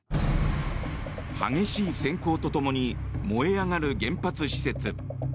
激しい閃光と共に燃え上がる原発施設。